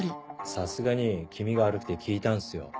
さすがに気味が悪くて聞いたんすよ。